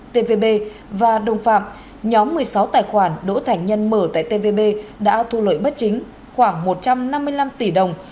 tvb và đồng phạm nhóm một mươi sáu tài khoản đỗ thảnh nhân mở tại tbb đã thu lợi bất chính khoảng một trăm năm mươi năm tỷ đồng